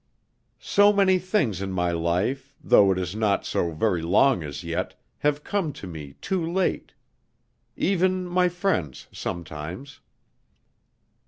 "So many things in my life, though it is not so very long as yet, have come to me too late. Even my friends sometimes."